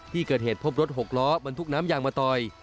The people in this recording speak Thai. ที่เกิดเหตุพบรถหกล้อบรรทุกน้ำยางมะตอย